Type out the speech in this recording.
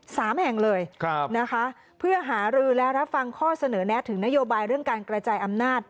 สามแห่งเลยครับนะคะเพื่อหารือและรับฟังข้อเสนอแนะถึงนโยบายเรื่องการกระจายอำนาจ